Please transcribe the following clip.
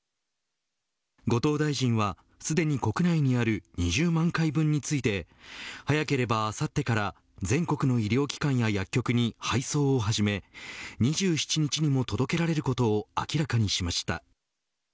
後藤大臣はすでに国内にある２０万回分について早ければ、あさってから全国の医療機関や薬局に配送をはじめ２７日にも届けられることを明らかにしました。